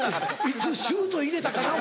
「いつシュート入れたかな？